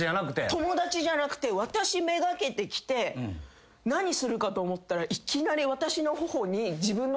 友達じゃなくて私めがけてきて何するかと思ったら。